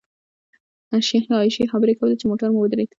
شیخې عایشې خبرې کولې چې موټر مو ودرېد.